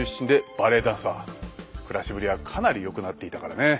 暮らしぶりはかなりよくなっていたからね。